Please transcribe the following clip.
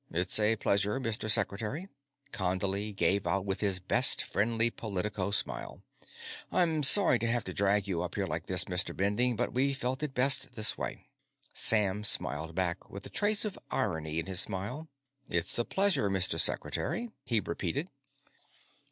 "It's a pleasure, Mr. Secretary." Condley gave out with his best friendly politico smile. "I'm sorry to have to drag you up here like this, Mr. Bending, but we felt it best this way." Sam smiled back, with a trace of irony in the smile. "It's a pleasure, Mr. Secretary," he repeated.